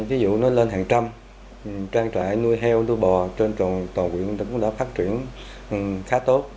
ví dụ nó lên hàng trăm trang trại nuôi heo nuôi bò trên toàn quyền cũng đã phát triển khá tốt